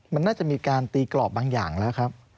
มันน่าจะมีการตีกรอบบางอย่างแล้วครับ